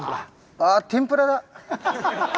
あっ天ぷらだ！